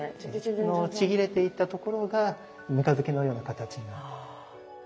そのちぎれていったところが三日月のような形になっている。